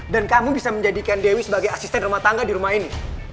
dan kamu bisa menjadikan dewi sebagai asisten rumah tangga di rumah ini